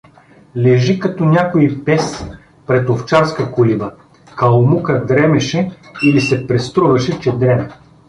Лежи, като някой пес пред овчарска колиба… Калмука дремеше или се преструваше, че дреме.